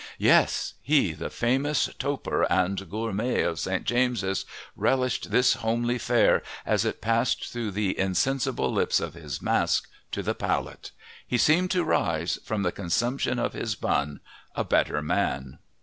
Yes! he, the famous toper and gourmet of St. James's, relished this homely fare, as it passed through the insensible lips of his mask to the palate. He seemed to rise, from the consumption of his bun, a better man.